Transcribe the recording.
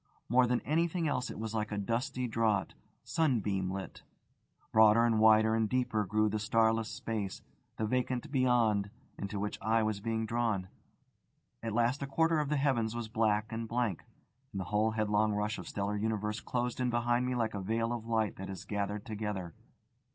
More than anything else it was like a dusty draught, sunbeam lit. Broader and wider and deeper grew the starless space, the vacant Beyond, into which I was being drawn. At last a quarter of the heavens was black and blank, and the whole headlong rush of stellar universe closed in behind me like a veil of light that is gathered together.